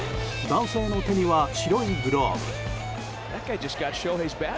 男性の手には、白いグローブ。